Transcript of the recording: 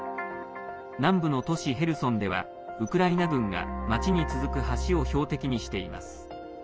南部の都市ヘルソンではウクライナ軍が町に続く橋を標的にしています。